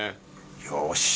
よし